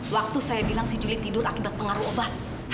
waktu saya bilang si juli tidur akibat pengaruh obat